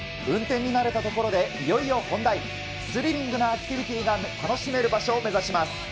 運転に慣れたところでいよいよ本題、スリリングなアクティビティーが楽しめる場所を目指します。